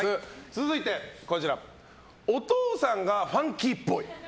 続いてお父さんがファンキーっぽい。